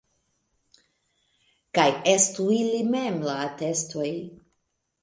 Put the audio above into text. Kaj estu ili mem la atestoj.